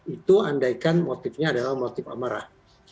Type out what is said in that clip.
itu andaikan motifnya adalah motif amarah